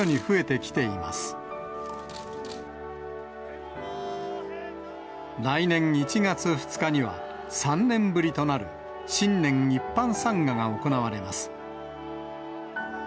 らいねん１がつ２にちには３年ぶりとなる新年一般参賀が行われます。